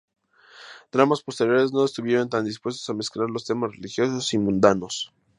Dramas posteriores no estuvieron tan dispuestos a mezclar los temas religiosos y mundanos.